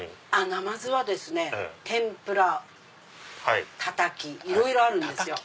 なまずは天ぷらたたきいろいろあるんですよ。